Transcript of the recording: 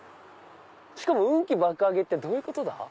しかも運気爆上げってどういうことだ？